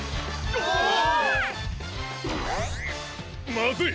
まずい！